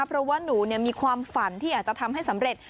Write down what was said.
เพราะว่าหนูมีความฝันที่อยากจะทำให้สำเร็จ